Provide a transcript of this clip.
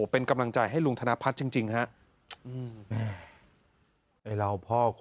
เป็นกำลังใจให้ลุงธนพัฒน์จริงครับ